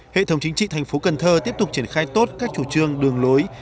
hệ thống chính trị thành phố cần thơ tiếp tục triển khai tốt các chủ trương đường lối